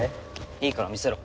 いいから見せろ。